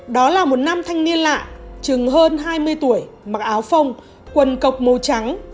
đó là một nam thanh niên lạ chừng hơn hai mươi tuổi mặc áo phông quần cọc màu trắng